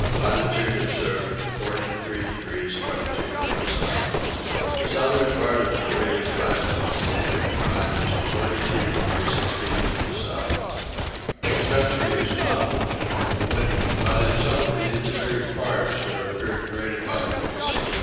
Latitude observed 43 degrees 22 minutes south. The southern part of Maria's Islands lie in latitude 43 degrees 16 minutes south. The country is not in general woody, but in some of the interior parts there appeared great abundance.